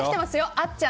あっちゃん